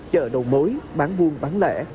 chợ đầu mối bán buôn bán lẻ